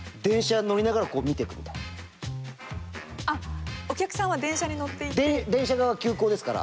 あっお客さんは電車に乗っていて。